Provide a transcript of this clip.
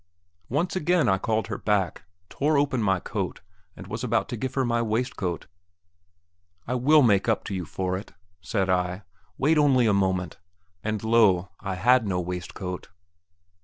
Once again I called her back, tore open my coat, and was about to give her my waistcoat. "I will make up to you for it," said I; "wait only a moment" ... and lo! I had no waistcoat.